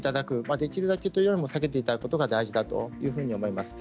できるだけというよりも避けていただくことが大事だと思います。